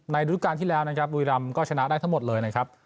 รูปการณ์ที่แล้วนะครับบุรีรำก็ชนะได้ทั้งหมดเลยนะครับ